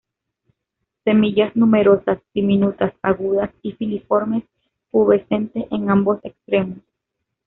Semillas numerosas, diminutas, agudas y filiformes pubescente en ambos extremos.